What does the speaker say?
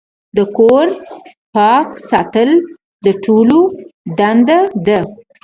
د کور پاک ساتل د ټولو دنده ده.